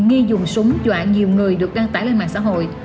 nghi dùng súng dọa nhiều người được đăng tải lên mạng xã hội